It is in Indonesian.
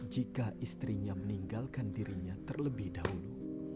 jika istrinya meninggalkan dirinya terlebih dahulu